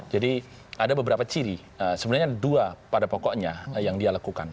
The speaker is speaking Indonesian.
jadi ada beberapa ciri sebenarnya ada dua pada pokoknya yang dia lakukan